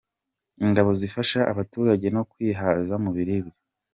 Ingabo zifasha abaturage no kwihaza mu biribwa .